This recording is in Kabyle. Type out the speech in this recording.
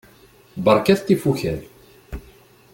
Berkat tifukal!